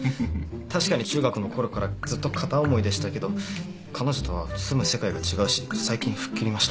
確かに中学のころからずっと片思いでしたけど彼女とは住む世界が違うし最近吹っ切りました。